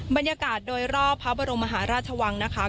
บรรยากาศโดยรอบพระบรมมหาราชวังนะคะ